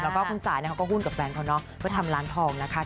แล้วก็คุณสาเนี่ยเขาก็หุ้นกับแฟนเขาเนาะเพื่อทำร้านทองนะคะ